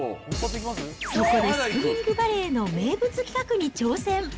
そこでスプリングバレーの名物企画に挑戦。